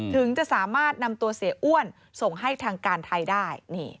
ถึงจะสามารถนำตัวเสียอ้วนส่งให้ทางการไทยได้